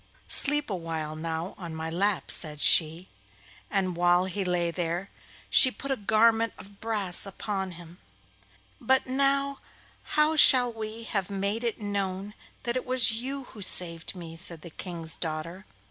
'Sleep a while now on my lap,' said she, and while he lay there she put a garment of brass upon him. 'But now, how shall we have it made known that it was you who saved me?' said the King's daughter.